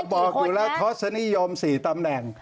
บอกอยู่แล้วทศนิยม๔ตำแหน่ง